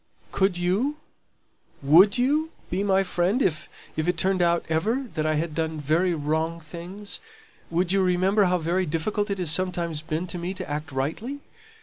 "Could you? Would you be my friend if if it turned out ever that I had done very wrong things? Would you remember how very difficult it has sometimes been to me to act rightly?"